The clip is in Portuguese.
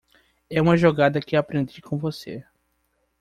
É uma jogada que aprendi com você.